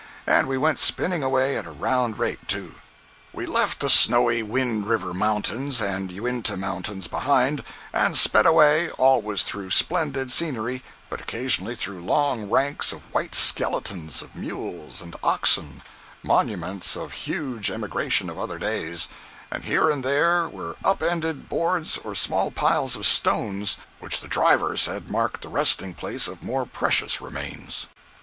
And we went spinning away at a round rate too. We left the snowy Wind River Mountains and Uinta Mountains behind, and sped away, always through splendid scenery but occasionally through long ranks of white skeletons of mules and oxen—monuments of the huge emigration of other days—and here and there were up ended boards or small piles of stones which the driver said marked the resting place of more precious remains.